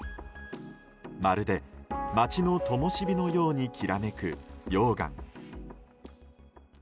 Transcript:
まるで街のともしびのようにきらめく溶岩。